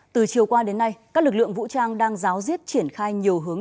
từ chiều qua đến nay các lực lượng vũ trang đang giáo diết triển khai nhiều hướng